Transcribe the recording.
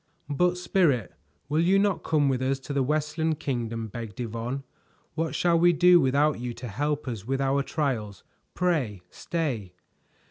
"But, Spirit, will you not come with us to the Westland Kingdom?" begged Yvonne. "What shall we do without you to help us with our trials? Pray stay."